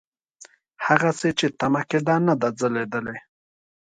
هغسې چې تمه کېده نه ده ځلېدلې.